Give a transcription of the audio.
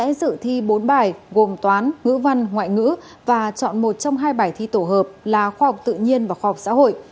mỗi thí sinh sẽ dự thi bốn bài gồm toán ngữ văn ngoại ngữ và chọn một trong hai bài thi tổ hợp là khoa học tự nhiên và khoa học xã hội